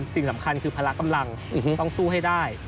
สิ่งสำคัญคือพละกำลังต้องสู้ให้ได้